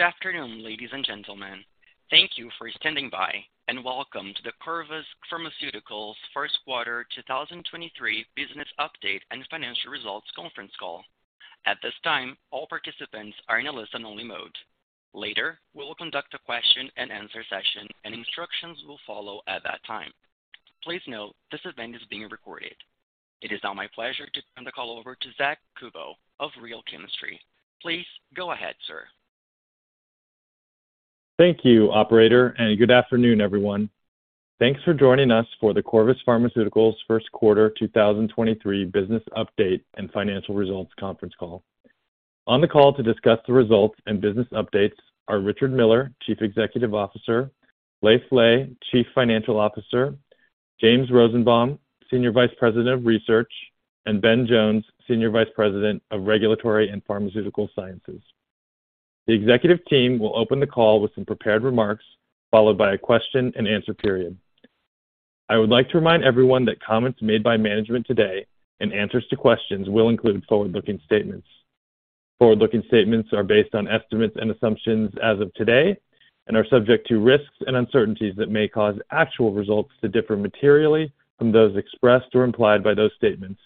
Good afternoon, ladies and gentlemen. Thank you for standing by and welcome to the Corvus Pharmaceuticals First Quarter 2023 Business Update and Financial Results Conference Call. At this time, all participants are in a listen-only mode. Later, we will conduct a question and answer session, and instructions will follow at that time. Please note this event is being recorded. It is now my pleasure to turn the call over to Zack Kubow of Real Chemistry. Please go ahead, sir. Thank you operator, and good afternoon, everyone. Thanks for joining us for the Corvus Pharmaceuticals 1Q 2023 Business Update and Financial Results Conference Call. On the call to discuss the results and business updates are Richard Miller, Chief Executive Officer, Leiv Lea, Chief Financial Officer, James Rosenbaum, Senior Vice President of Research, and Ben Jones, Senior Vice President of Regulatory and Pharmaceutical Sciences. The executive team will open the call with some prepared remarks, followed by a question and answer period. I would like to remind everyone that comments made by management today and answers to questions will include forward-looking statements. Forward-looking statements are based on estimates and assumptions as of today and are subject to risks and uncertainties that may cause actual results to differ materially from those expressed or implied by those statements,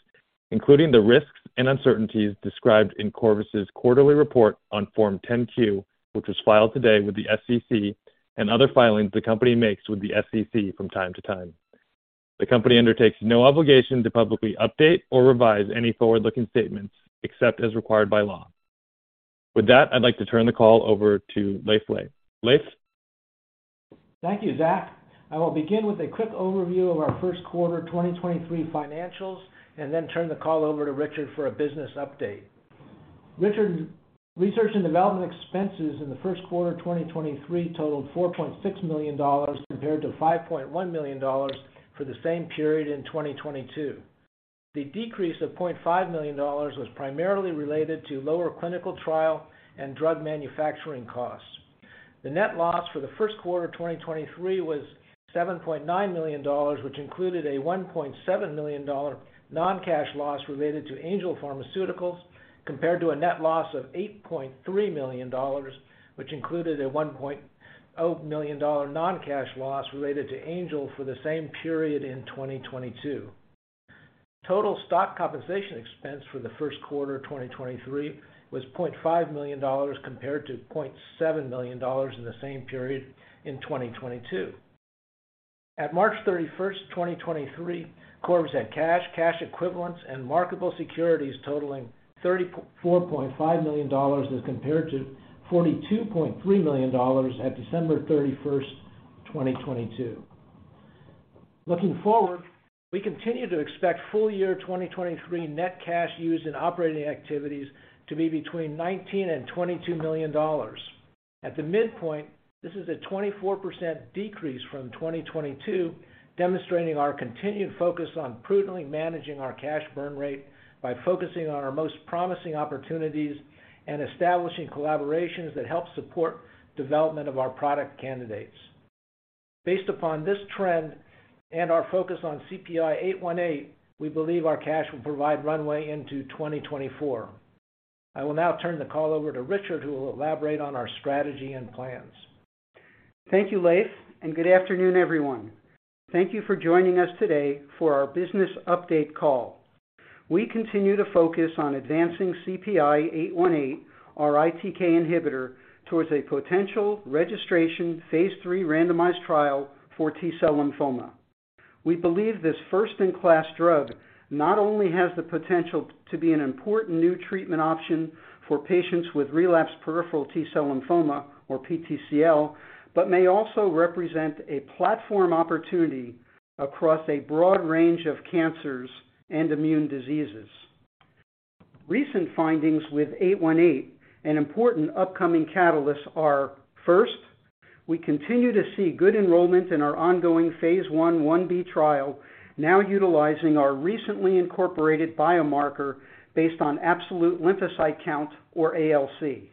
including the risks and uncertainties described in Corvus's quarterly report on Form 10-Q, which was filed today with the SEC and other filings the company makes with the SEC from time to time. The company undertakes no obligation to publicly update or revise any forward-looking statements except as required by law. With that, I'd like to turn the call over to Leiv Lea. Leiv? Thank you, Zack. I will begin with a quick overview of our 1Q 2023 financials and then turn the call over to Richard for a business update. Richard. Research and development expenses in the 1Q 2023 totaled $4.6 million compared to $5.1 million for the same period in 2022. The decrease of $0.5 million was primarily related to lower clinical trial and drug manufacturing costs. The net loss for the 1Q 2023 was $7.9 million, which included a $1.7 million non-cash loss related to Angel Pharmaceuticals, compared to a net loss of $8.3 million, which included a $0 million non-cash loss related to Angel for the same period in 2022. Total stock compensation expense for the 1Q of 2023 was $0.5 million compared to $0.7 million in the same period in 2022. At March 31, 2023, Corvus had cash equivalents and marketable securities totaling $34.5 million as compared to $42.3 million at December 31, 2022. Looking forward, we continue to expect full year 2023 net cash used in operating activities to be between $19 million and $22 million. At the midpoint, this is a 24% decrease from 2022, demonstrating our continued focus on prudently managing our cash burn rate by focusing on our most promising opportunities and establishing collaborations that help support development of our product candidates. Based upon this trend and our focus on CPI-818, we believe our cash will provide runway into 2024. I will now turn the call over to Richard, who will elaborate on our strategy and plans. Thank you, Leiv, and good afternoon, everyone. Thank you for joining us today for our business update call. We continue to focus on advancing CPI-818, our ITK inhibitor, towards a potential registration phase three randomized trial for T-cell lymphoma. We believe this first in class drug not only has the potential to be an important new treatment option for patients with relapsed peripheral T-cell lymphoma, or PTCL, but may also represent a platform opportunity across a broad range of cancers and immune diseases. Recent findings with 818 and important upcoming catalysts are, first, we continue to see good enrollment in our ongoing phase one 1B trial, now utilizing our recently incorporated biomarker based on absolute lymphocyte count, or ALC.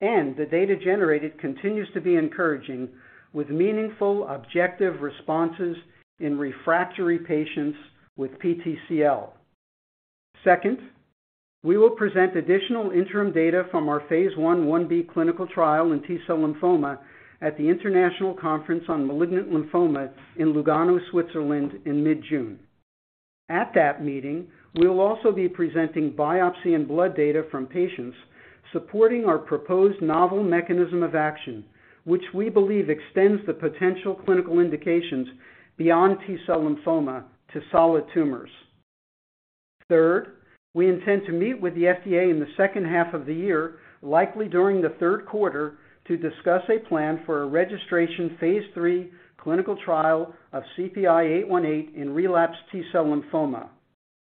The data generated continues to be encouraging, with meaningful objective responses in refractory patients with PTCL. Second, we will present additional interim data from our phase 1/1B clinical trial in T-cell lymphoma at the International Conference on Malignant Lymphoma in Lugano, Switzerland in mid-June. At that meeting, we will also be presenting biopsy and blood data from patients supporting our proposed novel mechanism of action, which we believe extends the potential clinical indications beyond T-cell lymphoma to solid tumors. Third, we intend to meet with the FDA in the second half of the year, likely during the Q3, to discuss a plan for a registration phase 3 clinical trial of CPI-818 in relapsed T-cell lymphoma.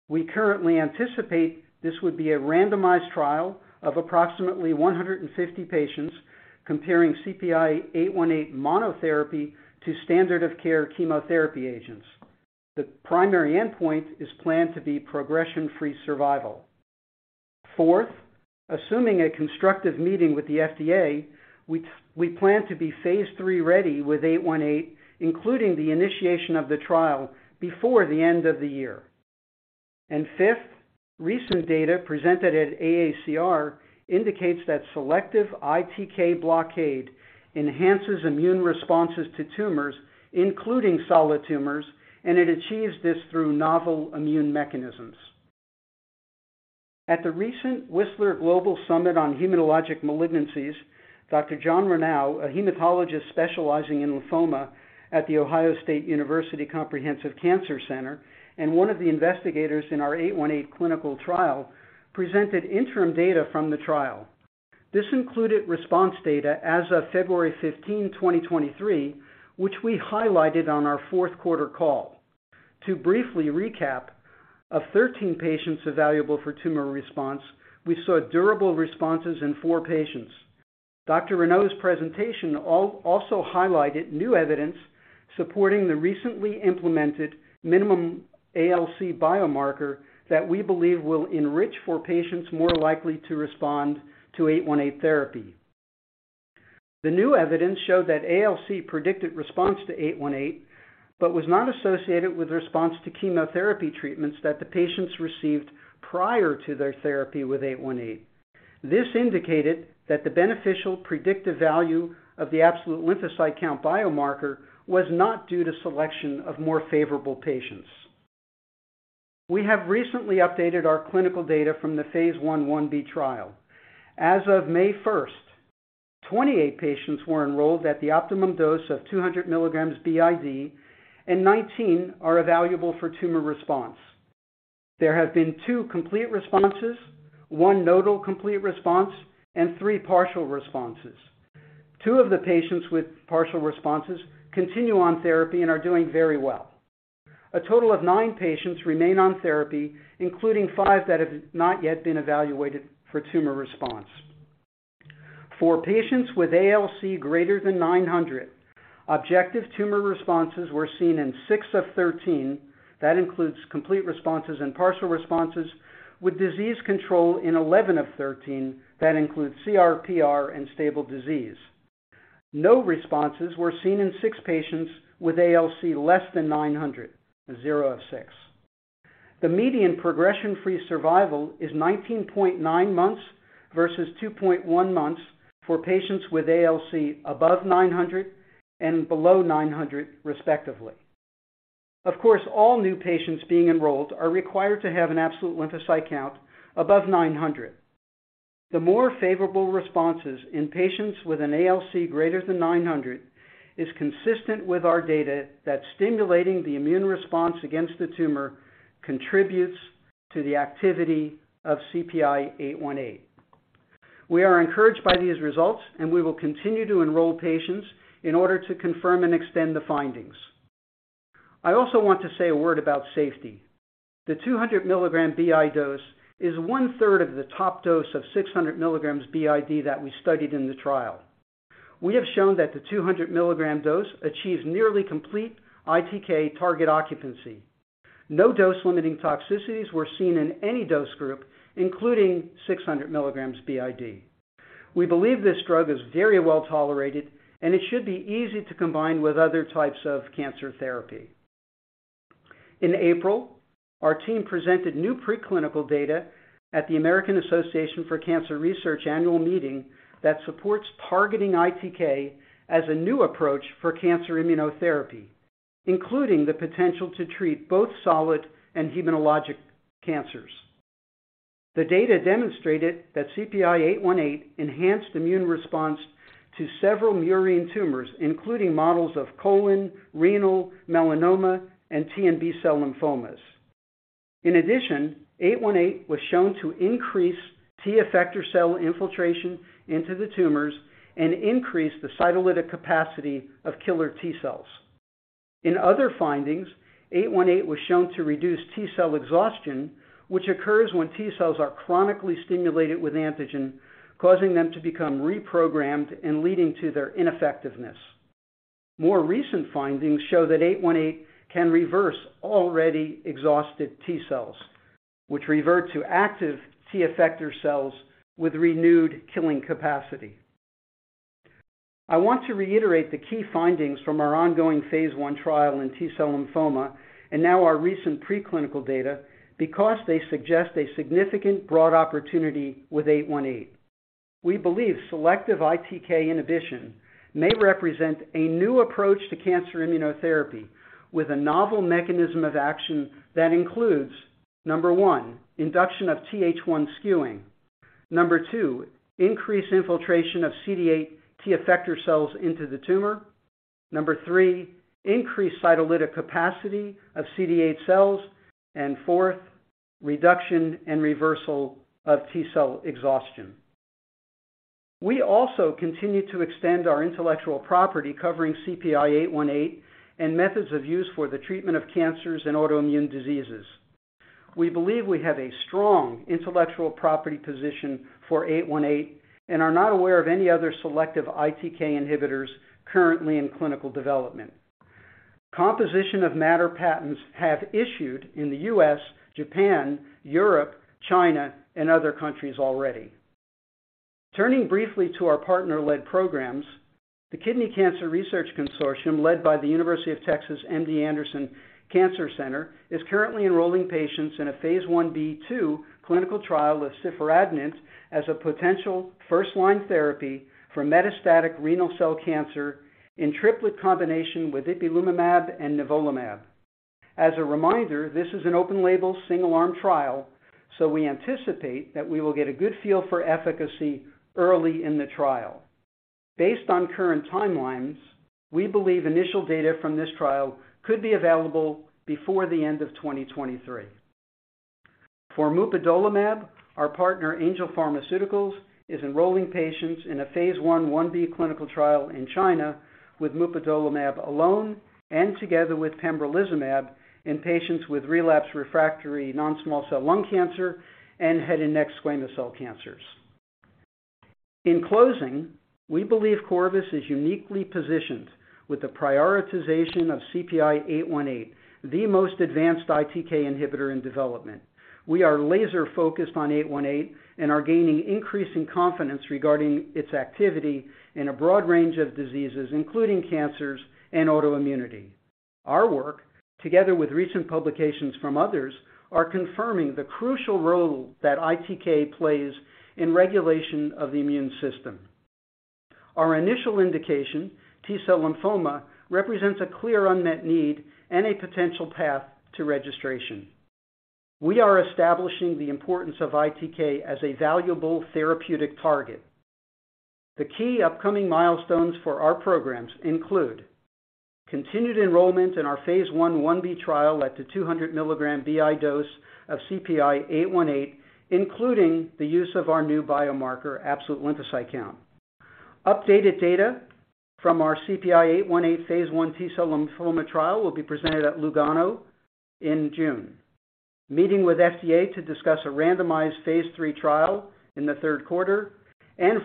We currently anticipate this would be a randomized trial of approximately 150 patients comparing CPI-818 monotherapy to standard of care chemotherapy agents. The primary endpoint is planned to be progression-free survival. Fourth, assuming a constructive meeting with the FDA, we plan to be phase 3 ready with 818, including the initiation of the trial before the end of the year. Fifth, recent data presented at AACR indicates that selective ITK blockade enhances immune responses to tumors, including solid tumors, and it achieves this through novel immune mechanisms. At the recent Whistler Global Summit on Hematologic Malignancies, Dr. John Reneau, a hematologist specializing in lymphoma at The Ohio State University Comprehensive Cancer Center and one of the investigators in our 818 clinical trial, presented interim data from the trial. This included response data as of February 15, 2023, which we highlighted on our fourth quarter call. To briefly recap, of 13 patients evaluable for tumor response, we saw durable responses in four patients. Dr. Reneau's presentation also highlighted new evidence supporting the recently implemented minimum ALC biomarker that we believe will enrich for patients more likely to respond to 818 therapy. The new evidence showed that ALC predicted response to 818, but was not associated with response to chemotherapy treatments that the patients received prior to their therapy with 818. This indicated that the beneficial predictive value of the absolute lymphocyte count biomarker was not due to selection of more favorable patients. We have recently updated our clinical data from the Phase 1-1B trial. As of May 1st, 28 patients were enrolled at the optimum dose of 200 milligrams BID, and 19 are evaluable for tumor response. There have been two complete responses, one nodal complete response, and three partial responses. two of the patients with partial responses continue on therapy and are doing very well. A total of nine patients remain on therapy, including five that have not yet been evaluated for tumor response. For patients with ALC greater than 900, objective tumor responses were seen in six of 13, that includes complete responses and partial responses, with disease control in 11 of 13, that includes CR, PR, and stable disease. No responses were seen in 6 patients with ALC less than 900, 0 of 6. The median progression-free survival is 19.9 months versus 2.1 months for patients with ALC above 900 and below 900, respectively. Of course, all new patients being enrolled are required to have an absolute lymphocyte count above 900. The more favorable responses in patients with an ALC greater than 900 is consistent with our data that stimulating the immune response against the tumor contributes to the activity of CPI-818. We are encouraged by these results, we will continue to enroll patients in order to confirm and extend the findings. I also want to say a word about safety. The 200 mg BID dose is one-third of the top dose of 600 mg BID that we studied in the trial. We have shown that the 200 mg dose achieves nearly complete ITK target occupancy. No dose-limiting toxicities were seen in any dose group, including 600 mg BID. We believe this drug is very well-tolerated, it should be easy to combine with other types of cancer therapy. In April, our team presented new preclinical data at the American Association for Cancer Research annual meeting that supports targeting ITK as a new approach for cancer immunotherapy, including the potential to treat both solid and hematologic cancers. The data demonstrated that CPI-818 enhanced immune response to several murine tumors, including models of colon, renal, melanoma, and T and B cell lymphomas. In addition, 818 was shown to increase T effector cell infiltration into the tumors and increase the cytolytic capacity of killer T cells. In other findings, 818 was shown to reduce T cell exhaustion, which occurs when T cells are chronically stimulated with antigen, causing them to become reprogrammed and leading to their ineffectiveness. More recent findings show that 818 can reverse already exhausted T cells, which revert to active T effector cells with renewed killing capacity. I want to reiterate the key findings from our ongoing Phase one trial in T-cell lymphoma and now our recent preclinical data because they suggest a significant broad opportunity with 818. We believe selective ITK inhibition may represent a new approach to cancer immunotherapy with a novel mechanism of action that includes, 1, induction of Th1 skewing, two, increased infiltration of CDeight T effector cells into the tumor, three, increased cytolytic capacity of CD8 cells, and fourth, reduction and reversal of T cell exhaustion. We also continue to extend our intellectual property covering CPI-818 and methods of use for the treatment of cancers and autoimmune diseases. We believe we have a strong intellectual property position for 818 and are not aware of any other selective ITK inhibitors currently in clinical development. Composition of matter patents have issued in the U.S., Japan, Europe, China, and other countries already. Turning briefly to our partner-led programs, the Kidney Cancer Research Consortium, led by The University of Texas MD Anderson Cancer Center, is currently enrolling patients in a Phase 1b/2 clinical trial of ciforadenant as a potential first-line therapy for metastatic renal cell cancer in triplet combination with ipilimumab and nivolumab. As a reminder, this is an open label single arm trial, so we anticipate that we will get a good feel for efficacy early in the trial. Based on current timelines, we believe initial data from this trial could be available before the end of 2023. For mupadolimab, our partner, Angel Pharmaceuticals, is enrolling patients in a Phase one, 1B clinical trial in China with mupadolimab alone and together with pembrolizumab in patients with relapsed refractory non-small cell lung cancer and head and neck squamous cell cancers. In closing, we believe Corvus is uniquely positioned with the prioritization of CPI-818, the most advanced ITK inhibitor in development. We are laser-focused on 818 and are gaining increasing confidence regarding its activity in a broad range of diseases, including cancers and autoimmunity. Our work, together with recent publications from others, are confirming the crucial role that ITK plays in regulation of the immune system. Our initial indication, T-cell lymphoma, represents a clear unmet need and a potential path to registration. We are establishing the importance of ITK as a valuable therapeutic target. The key upcoming milestones for our programs include continued enrollment in our Phase 1, 1B trial at the 200 milligram BID dose of CPI-818, including the use of our new biomarker, absolute lymphocyte count. Updated data from our CPI-818 Phase one T-cell lymphoma trial will be presented at Lugano in June. Meeting with FDA to discuss a randomized Phase three trial in the 3Q.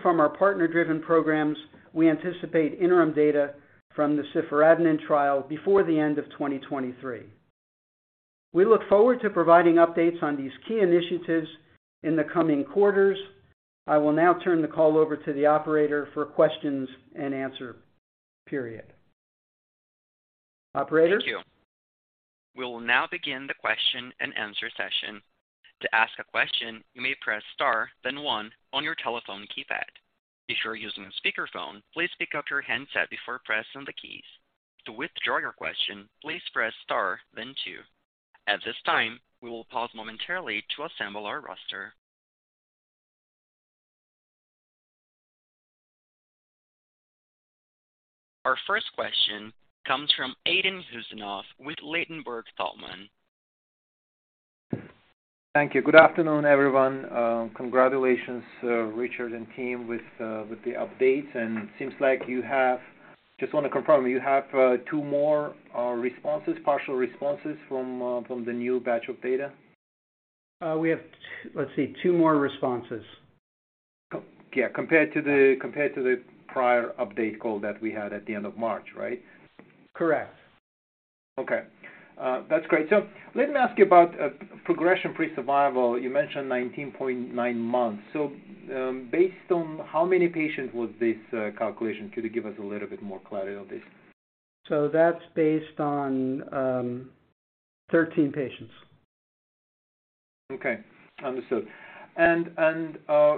From our partner-driven programs, we anticipate interim data from the ciforadenant trial before the end of 2023. We look forward to providing updates on these key initiatives in the coming quarters. I will now turn the call over to the operator for questions and answer period. Operator? Thank you. We will now begin the question and answer session. To ask a question, you may press Star, then one on your telephone keypad. If you are using a speakerphone, please pick up your handset before pressing the keys. To withdraw your question, please press Star then two. At this time, we will pause momentarily to assemble our roster. Our first question comes from Aydin Huseynov with Ladenburg Thalmann. Thank you. Good afternoon, everyone. Congratulations, Richard and team with the updates. It seems like Just want to confirm, you have two more responses, partial responses from the new batch of data? We have, let's see, two more responses. yeah, compared to the prior update call that we had at the end of March, right? Correct. Okay. That's great. Let me ask you about progression-free survival. You mentioned 19.9 months. Based on how many patients was this calculation? Could you give us a little bit more clarity on this? That's based on 13 patients. Okay. Understood.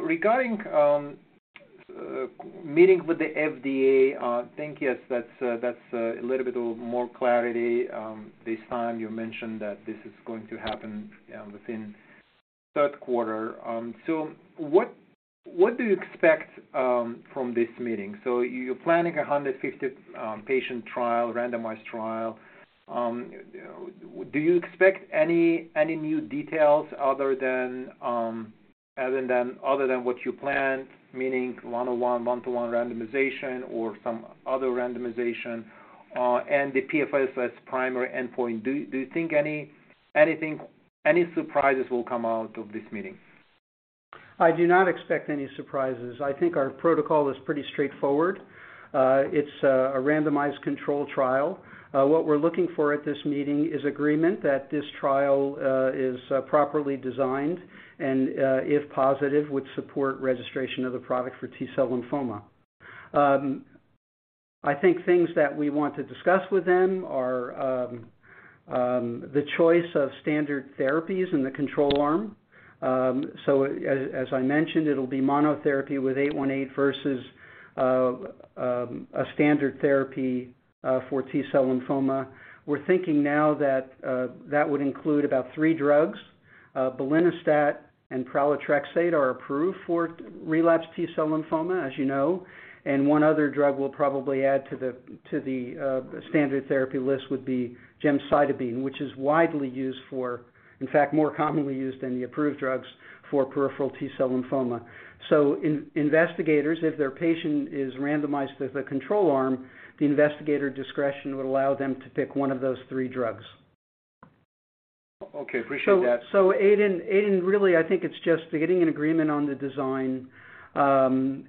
Regarding meeting with the FDA, thank you. That's a little bit of more clarity. This time you mentioned that this is going to happen within third quarter. What do you expect from this meeting? You're planning a 150 patient trial, randomized trial. Do you expect any new details other than what you planned, meaning one-on-one, one-to-one randomization or some other randomization, and the PFS as primary endpoint? Do you think any, anything, any surprises will come out of this meeting? I do not expect any surprises. I think our protocol is pretty straightforward. It's a randomized control trial. What we're looking for at this meeting is agreement that this trial is properly designed and if positive, would support registration of the product for T-cell lymphoma. I think things that we want to discuss with them are the choice of standard therapies in the control arm. As I mentioned, it'll be monotherapy with 818 versus a standard therapy for T-cell lymphoma. We're thinking now that would include about three drugs. belinostat and pralatrexate are approved for relapsed T-cell lymphoma, as you know. One other drug we'll probably add to the standard therapy list would be gemcitabine, which is widely used for, in fact, more commonly used than the approved drugs for peripheral T-cell lymphoma. Investigators, if their patient is randomized to the control arm, the investigator discretion would allow them to pick one of those three drugs. Okay. Appreciate that. Aiden, really, I think it's just getting an agreement on the design, and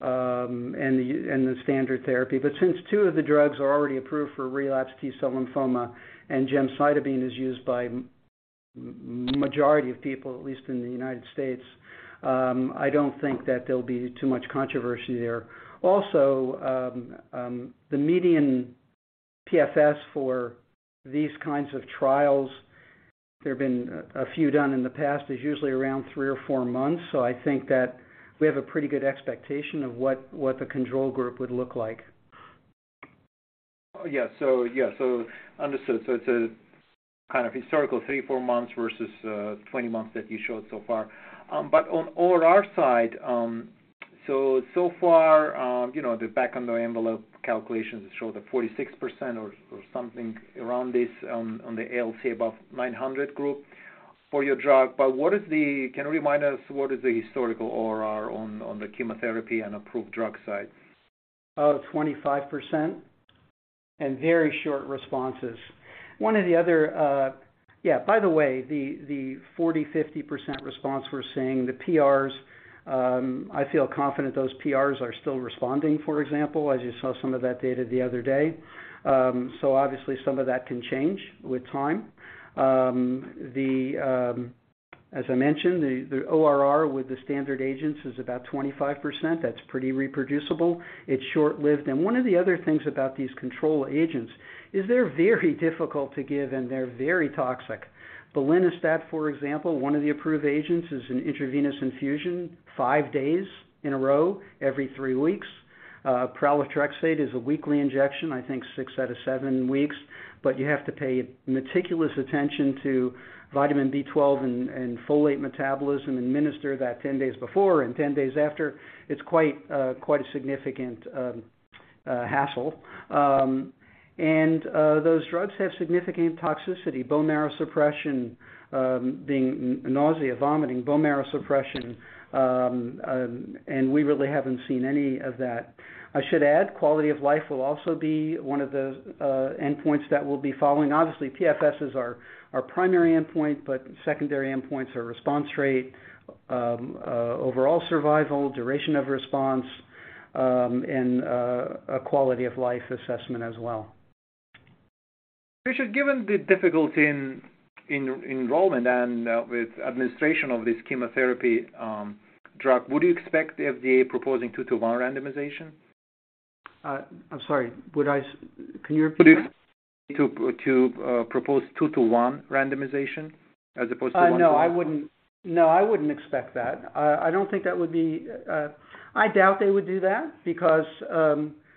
the standard therapy. Since two of the drugs are already approved for relapsed T-cell lymphoma and gemcitabine is used by majority of people, at least in the United States, I don't think that there'll be too much controversy there. Also, the median PFS for these kinds of trials, there have been a few done in the past, is usually around three or four months. I think that we have a pretty good expectation of what the control group would look like. Oh, yeah. Yeah, so understood. It's a kind of historical three, four months versus 20 months that you showed so far. On ORR side, so far, you know, the back of the envelope calculations show the 46% or something around this on the ALC above 900 group for your drug. Can you remind us what is the historical ORR on the chemotherapy and approved drug side? 25% and very short responses. One of the other, by the way, the 40, 50% response we're seeing, the PRs, I feel confident those PRs are still responding, for example, as you saw some of that data the other day. Obviously, some of that can change with time. The, as I mentioned, the ORR with the standard agents is about 25%. That's pretty reproducible. It's short-lived. One of the other things about these control agents is they're very difficult to give and they're very toxic. Belinostat, for example, one of the approved agents, is an intravenous infusion, five days in a row, every three weeks. Pralatrexate is a weekly injection, I think six out of seven weeks, but you have to pay meticulous attention to vitamin B12 and folate metabolism and administer that 10 days before and 10 days after. It's quite a significant hassle. Those drugs have significant toxicity, bone marrow suppression, being nausea, vomiting, bone marrow suppression, and we really haven't seen any of that. I should add quality of life will also be one of the endpoints that we'll be following. Obviously, PFS is our primary endpoint, but secondary endpoints are response rate, overall survival, duration of response, and a quality of life assessment as well. Richard, given the difficulty in enrollment and with administration of this chemotherapy drug, would you expect the FDA proposing 2 to 1 randomization? I'm sorry. Can you repeat? To propose two to 1one randomization as opposed to. No, I wouldn't. No, I wouldn't expect that. I doubt they would do that because,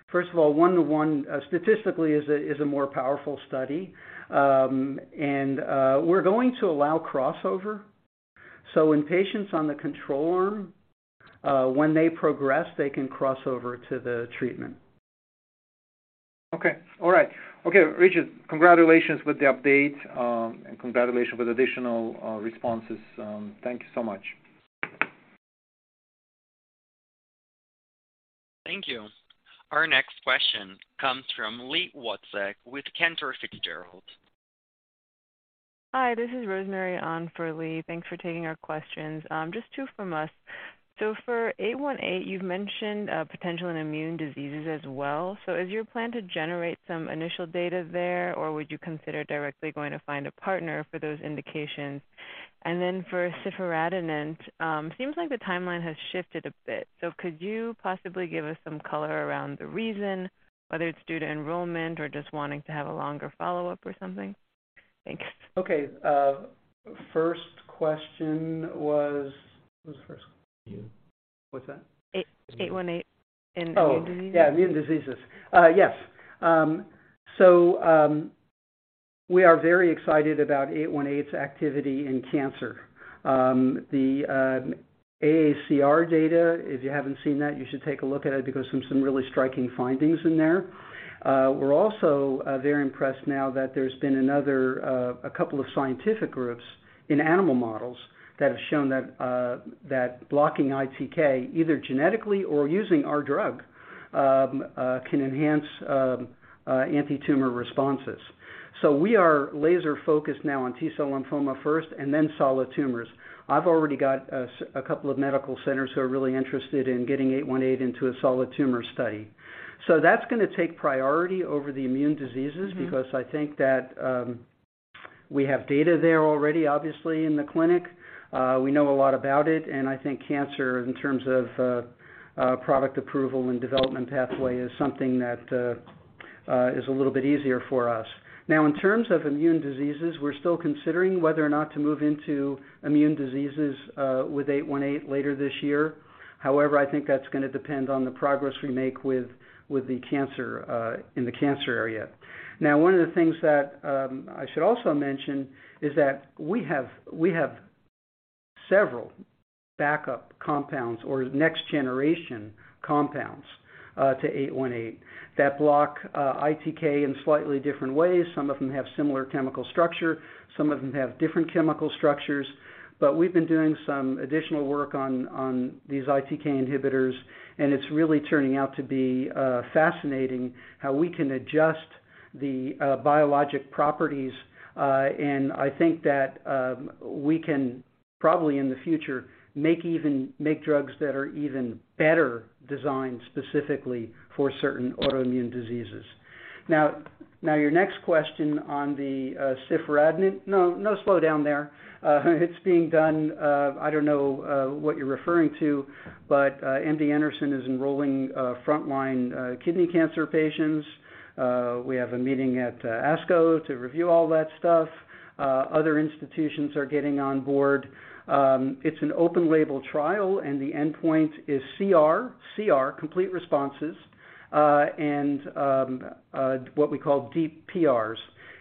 first of all, one to one statistically is a more powerful study. We're going to allow crossover. In patients on the control arm, when they progress, they can cross over to the treatment. Okay. All right. Okay, Richard, congratulations with the update, and congratulations with additional responses. Thank you so much. Thank you. Our next question comes from Li Watsek with Cantor Fitzgerald. Hi, this is Rosemary on for Li. Thanks for taking our questions. Just two from us. For CPI-818, you've mentioned potential in immune diseases as well. Is your plan to generate some initial data there, or would you consider directly going to find a partner for those indications? Then for ciforadenant, seems like the timeline has shifted a bit. Could you possibly give us some color around the reason, whether it's due to enrollment or just wanting to have a longer follow-up or something? Thanks. Okay. What was the first question? What's that? 818 and immune diseases. Yeah, immune diseases. Yes. We are very excited about 818's activity in cancer. The AACR data, if you haven't seen that, you should take a look at it because some really striking findings in there. We're also very impressed now that there's been another a couple of scientific groups in animal models that have shown that blocking ITK, either genetically or using our drug, can enhance antitumor responses. We are laser focused now on T-cell lymphoma first and then solid tumors. I've already got a couple of medical centers who are really interested in getting 818 into a solid tumor study. That's gonna take priority over the immune diseases. Mm-hmm. Because I think that we have data there already, obviously, in the clinic. We know a lot about it, and I think cancer, in terms of product approval and development pathway, is something that is a little bit easier for us. In terms of immune diseases, we're still considering whether or not to move into immune diseases with 818 later this year. However, I think that's gonna depend on the progress we make with the cancer in the cancer area. One of the things that I should also mention is that we have several backup compounds or next generation compounds to 818, that block ITK in slightly different ways. Some of them have similar chemical structure. Some of them have different chemical structures. We've been doing some additional work on these ITK inhibitors, and it's really turning out to be fascinating how we can adjust the biologic properties, and I think that we can probably in the future make drugs that are even better designed specifically for certain autoimmune diseases. Now, your next question on the ciforadenant. No slow down there.It's being done, I don't know what you're referring to, but MD Anderson is enrolling frontline kidney cancer patients. We have a meeting at ASCO to review all that stuff. Other institutions are getting on board. It's an open label trial, and the endpoint is CR, complete responses, and what we call deep PRs.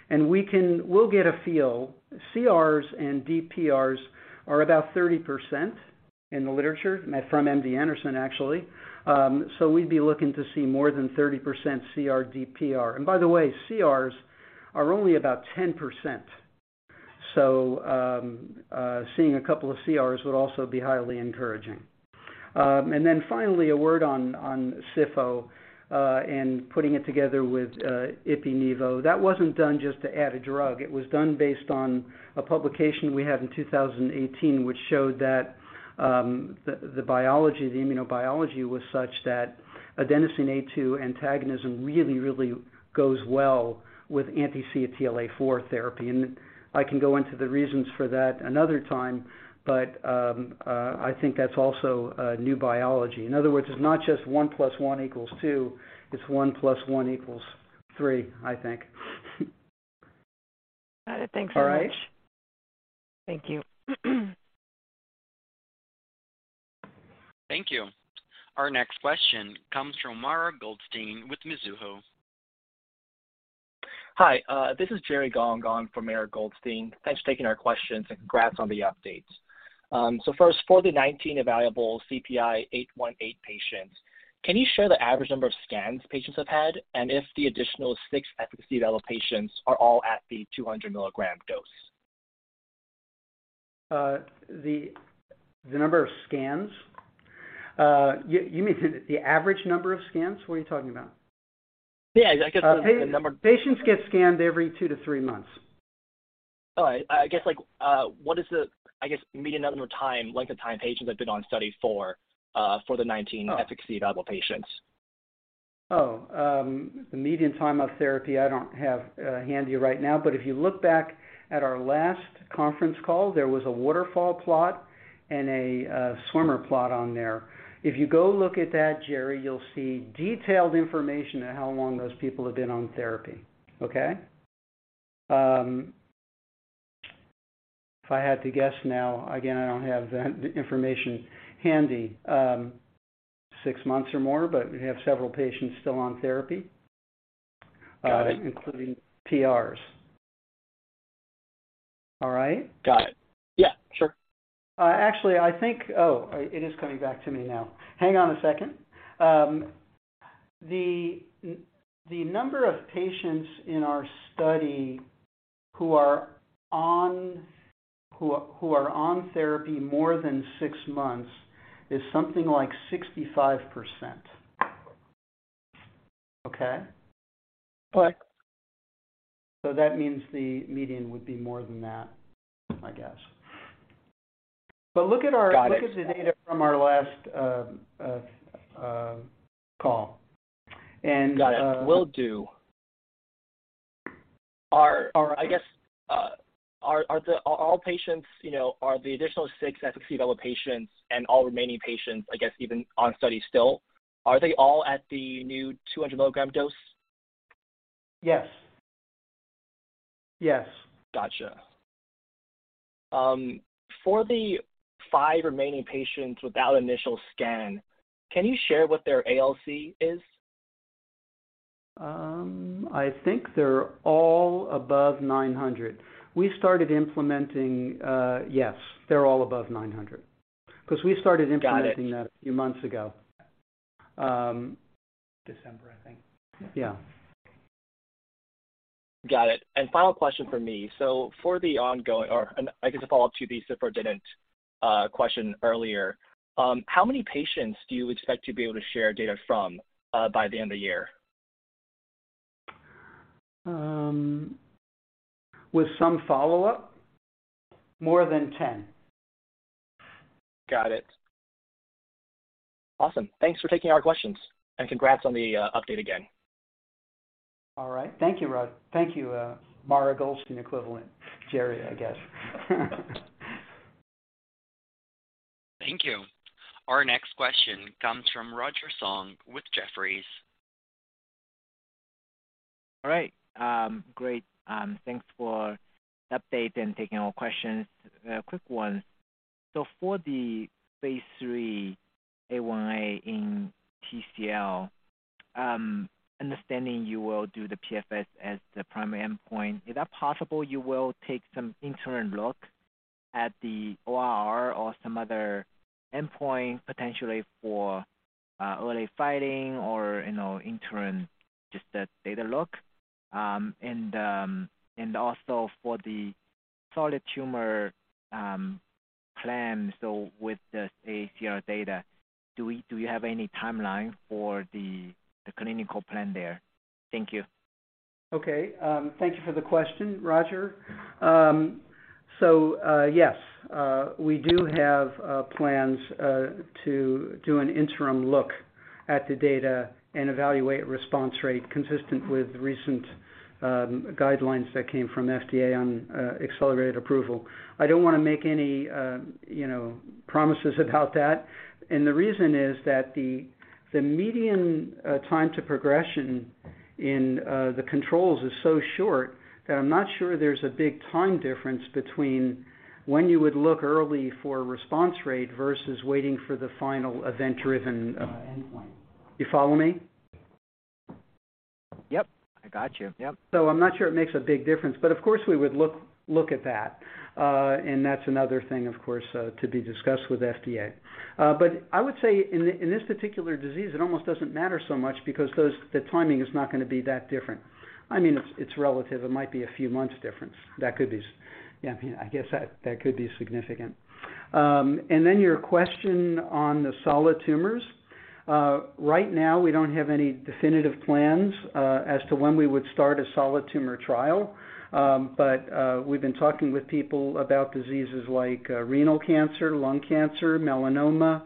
We'll get a feel. CRs and deep PRs are about 30% in the literature from MD Anderson, actually. We'd be looking to see more than 30% CR deep PR. By the way, CRs are only about 10%. Seeing a couple of CRs would also be highly encouraging. Finally, a word on ciforadenant, and putting it together with Ipi/Nivo. That wasn't done just to add a drug.It was done based on a publication we had in 2018, which showed that the biology, the immunobiology was such that adenosine A2A antagonism really goes well with anti-CTLA-four therapy. I can go into the reasons for that another time, but I think that's also a new biology. In other words, it's not just one plus one equals two, it's one plus one equals three, I think. Got it. Thanks so much. All right. Thank you. Thank you. Our next question comes from Mara Goldstein with Mizuho. Hi, this is Jerry Gong for Mara Goldstein. Thanks for taking our questions and congrats on the updates. First, for the 19 evaluable CPI-818 patients, can you share the average number of scans patients have had, and if the additional 6 efficacy eval patients are all at the 200 milligram dose? The number of scans? You mean the average number of scans? What are you talking about? Yeah, I guess the number- Patients get scanned every two-three months. All right. I guess, like, what is the, I guess, median number time, length of time patients have been on study for? Oh. efficacy evaluable patients? The median time of therapy, I don't have handy right now, but if you look back at our last conference call, there was a waterfall plot and a swimmer plot on there. If you go look at that, Jerry, you'll see detailed information on how long those people have been on therapy. Okay? If I had to guess now, again, I don't have that information handy, six months or more, but we have several patients still on therapy. Got it. Including PRs. All right? Got it. Yeah, sure. Actually, I think it is coming back to me now. Hang on a second. The number of patients in our study who are on therapy more than six months is something like 65%. Okay? Okay. That means the median would be more than that, I guess. Look at our- Got it. Look at the data from our last call. Got it. Will do. Are I guess, are the all patients, you know, are the additional six efficacy evaluable patients and all remaining patients, I guess, even on study still, are they all at the new 200 milligram dose? Yes. Yes. Gotcha. For the five remaining patients without initial scan, can you share what their ALC is? I think they're all above 900. Yes, they're all above 900. Got it. implementing that a few months ago. December, I think. Got it. Final question from me. I guess a follow-up to the ciforadenant question earlier, how many patients do you expect to be able to share data from by the end of the year? With some follow-up, more than 10. Got it. Awesome. Thanks for taking our questions. Congrats on the update again. All right. Thank you, Rod. Thank you, Mara Goldstein equivalent, Jerry, I guess. Thank you. Our next question comes from Roger Song with Jefferies. All right. great. thanks for update and taking our questions. A quick one. For the phase three A 1a in TCL, understanding you will do the PFS as the primary endpoint, is that possible you will take some interim look at the ORR or some other endpoint potentially for early fighting or, you know, interim just a data look? Also for the solid tumor Plans with the ACR data. Do we, do you have any timeline for the clinical plan there? Thank you. Okay. Thank you for the question, Roger. Yes, we do have plans to do an interim look at the data and evaluate response rate consistent with recent guidelines that came from FDA on accelerated approval. I don't wanna make any, you know, promises about that. The reason is that the median time to progression in the controls is so short that I'm not sure there's a big time difference between when you would look early for response rate versus waiting for the final event-driven endpoint. You follow me? Yep. I got you. Yep. I'm not sure it makes a big difference, but of course, we would look at that. That's another thing, of course, to be discussed with FDA. I would say in this particular disease, it almost doesn't matter so much because the timing is not gonna be that different. I mean, it's relative. It might be a few months difference. That could be. Yeah, I guess that could be significant. Your question on the solid tumors. Right now, we don't have any definitive plans as to when we would start a solid tumor trial. We've been talking with people about diseases like renal cancer, lung cancer, melanoma,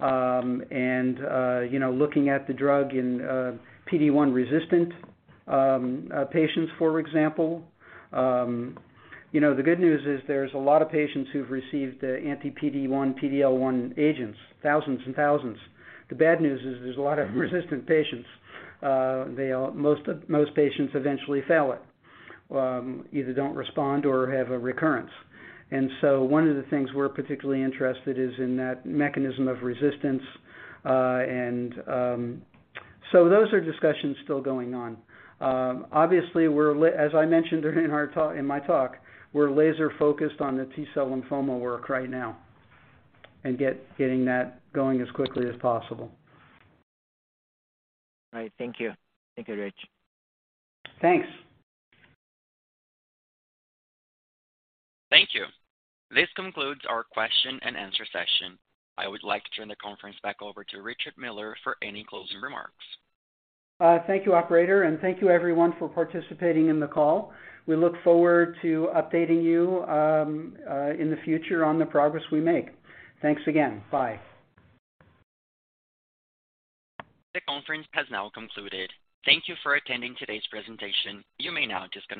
and, you know, looking at the drug in PD-1 resistant patients, for example. you know, the good news is there's a lot of patients who've received the anti-PD-1, PD-L1 agents, thousands and thousands. The bad news is there's a lot of resistant patients. Most patients eventually fail it, either don't respond or have a recurrence. One of the things we're particularly interested is in that mechanism of resistance. Those are discussions still going on. Obviously, we're As I mentioned during our talk, in my talk, we're laser focused on the T-cell lymphoma work right now and getting that going as quickly as possible. All right. Thank you. Thank you, Rich. Thanks. Thank you. This concludes our question and answer session. I would like to turn the conference back over to Richard Miller for any closing remarks. Thank you, operator, and thank you everyone for participating in the call. We look forward to updating you in the future on the progress we make. Thanks again. Bye. The conference has now concluded. Thank you for attending today's presentation. You may now disconnect.